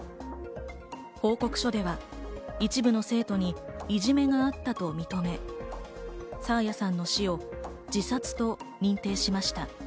報告書では一部の生徒に、いじめがあったと認め、爽彩さんの死を自殺と認定しました。